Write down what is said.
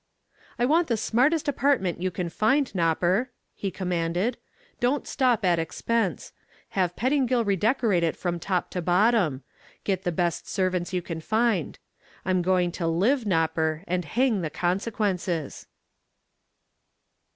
"I want the smartest apartment you can find, Nopper," he commanded. "Don't stop at expense. Have Pettingill redecorate it from top to bottom, Get the best servants you can find. I'm going to live, Nopper, and hang the consequences."